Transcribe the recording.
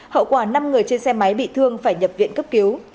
hậu quả năm người trên xe máy bị thương phải nhập viện cấp cứu